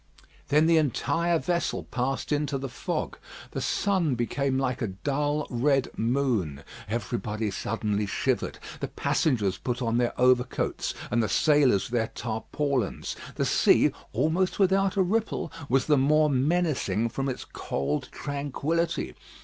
Then the entire vessel passed into the fog. The sun became like a dull red moon. Everybody suddenly shivered. The passengers put on their overcoats, and the sailors their tarpaulins. The sea, almost without a ripple, was the more menacing from its cold tranquillity.